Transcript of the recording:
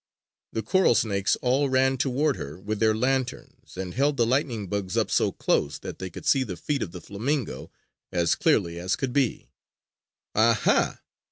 The coral snakes all ran toward her with their lanterns, and held the lightning bugs up so close that they could see the feet of the flamingo as clearly as could be. "Aha!